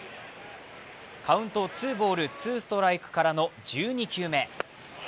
カウント、ツーボールツーストライクからの１２球目。